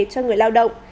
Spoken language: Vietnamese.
cho người lao động